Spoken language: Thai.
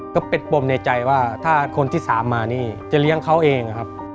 ก็เป็นปมในใจว่าถ้าคนที่๓มานี่จะเลี้ยงเขาเองครับ